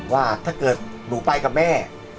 ว่าถ้าเกิดหนูไปกับแม่